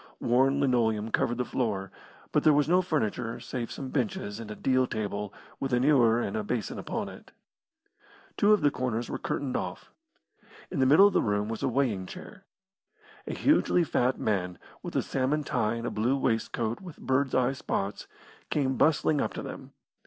Worn linoleum covered the floor, but there was no furniture save some benches and a deal table with an ewer and a basin upon it. Two of the corners were curtained off. In the middle of the room was a weighing chair. A hugely fat man, with a salmon tie and a blue waistcoat with birds' eye spots, came bustling up to them.